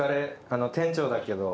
あの店長だけど。